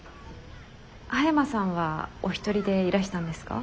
葉山さんはお一人でいらしたんですか？